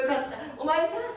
お前さん